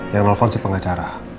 yang melepon si pengacara